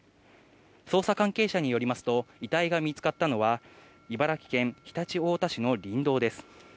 捜査関係者によりますと、遺体が見つかったのは、茨城県常陸太田市の林道です。